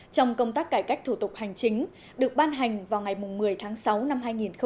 trong công tác cải cách thủ tục hành chính được ban hành vào ngày một mươi tháng sáu năm hai nghìn một mươi chín